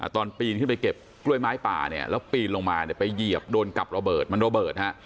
ตอนปีนขึ้นไปเก็บกล้วยไม้ป่าเนี่ยแล้วปีนลงมาเนี่ยไปเหยียบโดนกับระเบิดมันระเบิดฮะ